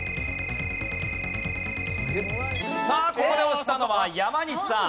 さあここで押したのは山西さん。